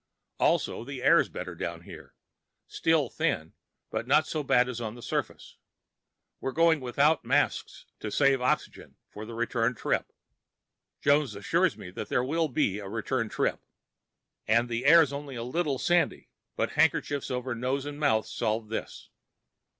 Also, the air's better down here. Still thin, but not so bad as on the surface. We're going without masks to save oxygen for the return trip (Jones assures me there'll be a return trip), and the air's only a little bit sandy, but handkerchiefs over nose and mouth solve this.